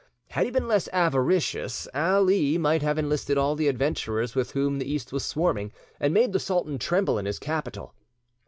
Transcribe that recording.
Had he been less avaricious, Ali might have enlisted all the adventurers with whom the East was swarming, and made the sultan tremble in his capital.